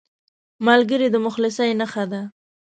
ملګری د مخلصۍ نښه ده